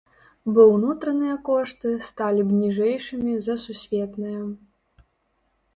Бо ўнутраныя кошты сталі б ніжэйшымі за сусветныя.